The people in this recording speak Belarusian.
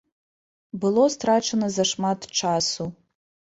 Было страчана зашмат часу.